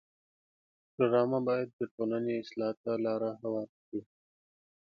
ډرامه باید د ټولنې اصلاح ته لاره هواره کړي